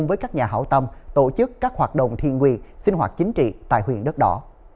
đã hảo tâm tổ chức các hoạt động thiên quy sinh hoạt chính trị tại huyện đất đỏ